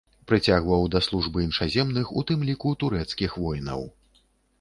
Прыцягваў да службы іншаземных, у тым ліку турэцкіх, воінаў.